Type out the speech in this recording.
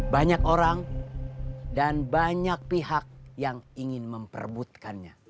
banyak orang dan banyak pihak yang ingin memperbutkannya